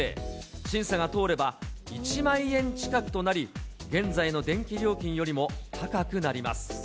審査が通れば、１万円近くとなり、現在の電気料金よりも高くなります。